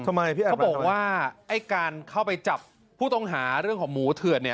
เขาบอกว่าไอ้การเข้าไปจับผู้ต้องหาเรื่องของหมูเถื่อนเนี่ย